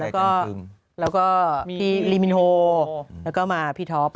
เดี๋ยวเกิมก่อนและพี่ลีมินโฮและพี่ท็อป